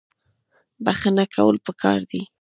بخښنه کول پکار دي